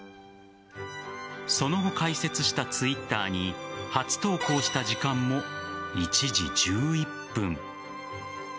その後、開設したツイッターに初投稿した時間も１時１１分。